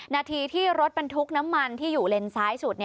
นาทีที่รถบรรทุกน้ำมันที่อยู่เลนซ้ายสุด